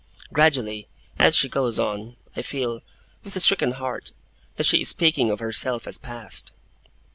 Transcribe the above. Gradually, as she goes on, I feel, with a stricken heart, that she is speaking of herself as past.